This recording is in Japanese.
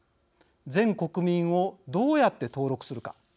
全国民をどうやって登録するか。